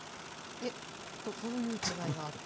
えっどういう違いがあるか。